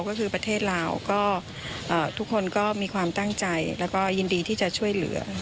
ก็คือประเทศลาวก็ทุกคนก็มีความตั้งใจแล้วก็ยินดีที่จะช่วยเหลือ